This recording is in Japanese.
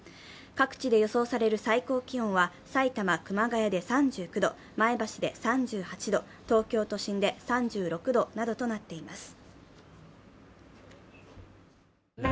各地で予想される最高気温は埼玉・熊谷で３９度、前橋で３８度、東京都心で３６度などとなっています。